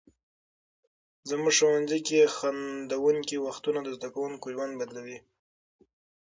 زموږ ښوونځي کې خندونکي وختونه د زده کوونکو ژوند بدلوي.